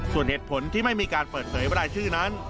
ส่วนเหตุผลที่ไม่มีการเปิดเผยรายชื่อนั้น